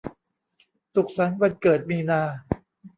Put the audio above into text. สุขสันต์วันเกิดมีนา